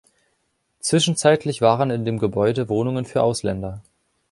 Zwischenzeitlich waren in dem Gebäude Wohnungen für Ausländer.